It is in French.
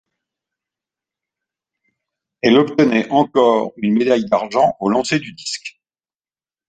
Elle obtenait encore une médaille d'argent au lancer du disque.